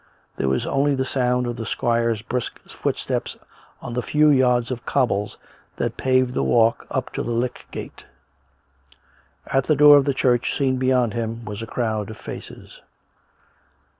There was only the sound of the squire's brisk footsteps on the few yards of cobbles that paved the walk up to the COME RACK! COME ROPE! 8S lych gate. At the door of the church, seen beyond him, was a crowd of faces.